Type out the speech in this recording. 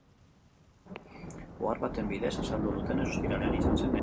Ohar baten bidez azaldu dutenez, ostiralean izan zen erasoa.